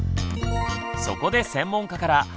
そこで専門家から